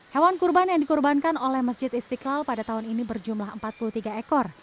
hewan kurban yang dikurbankan oleh masjid istiqlal pada tahun ini berjumlah empat puluh tiga ekor